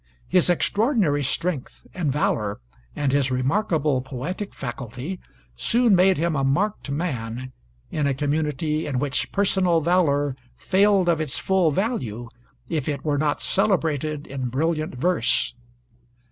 His extraordinary strength and valor and his remarkable poetic faculty soon made him a marked man, in a community in which personal valor failed of its full value if it were not celebrated in brilliant verse.